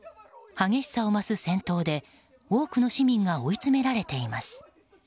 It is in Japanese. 激しさを増す戦闘で多くの市民が追いつめられています。